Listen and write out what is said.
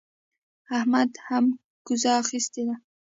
احمد هم کوزه اخيستې ده.